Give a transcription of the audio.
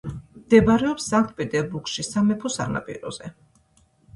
მდებარეობს სანქტ-პეტერბურგში სამეფო სანაპიროზე.